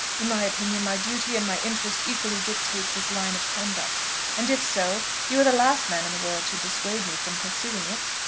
In my opinion, my duty and my interest equally dictate this line of conduct; and if so, you are the last man in the world to dissuade me from pursuing it."